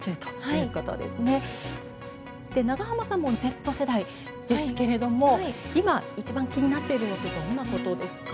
で長濱さんもＺ世代ですけれども今一番気になってるのってどんなことですか？